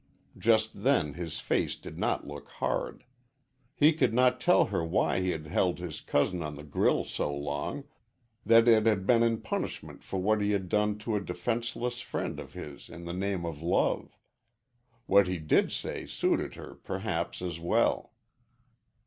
Just then his face did not look hard. He could not tell her why he had held his cousin on the grill so long, that it had been in punishment for what he had done to a defenseless friend of his in the name of love. What he did say suited her perhaps as well.